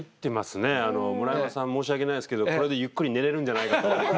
村山さん申し訳ないですけどこれでゆっくり寝れるんじゃないかと。